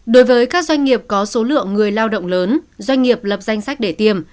đối với các doanh nghiệp có số lượng người lao động lớn doanh nghiệp lập danh sách để tiềm